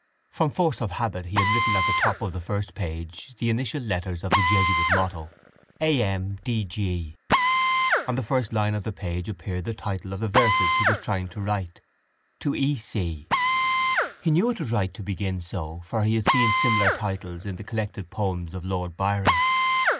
From force of habit he had written at the top of the first page the initial letters of the jesuit motto: A.M.D.G. On the first line of the page appeared the title of the verses he was trying to write: To E—— C——. He knew it was right to begin so for he had seen similar titles in the collected poems of Lord Byron.